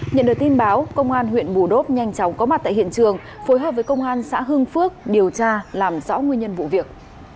nhận được tin báo công an huyện bù đốc nhanh chóng có mặt tại hiện trường phối hợp với công an xã hưng phước điều tra làm rõ nguyên nhân vụ việc